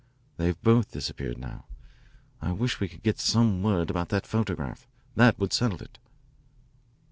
They've both disappeared now. I wish we could get some word about that photograph. That would settle it."